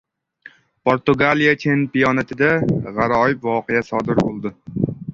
Portugaliya chempionatida g‘aroyib voqea sodir bo‘ldi